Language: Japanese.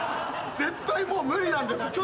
絶対もう無理なんです！